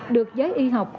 được giới y học